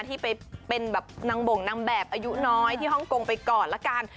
ที่ไปเป็นแบบนางบ่งนางแบบอายุน้อยที่ฮ่องกงไปก่อนละกัน